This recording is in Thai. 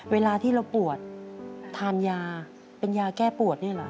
เวลาที่เราปวดทานยาเป็นยาแก้ปวดนี่เหรอ